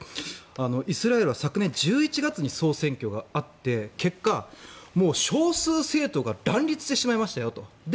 イスラエルは昨年１１月に総選挙があって結果、少数政党が乱立してしまいましたよと。